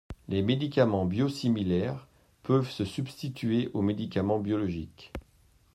Les médicaments biosimilaires peuvent se substituer aux médicaments biologiques.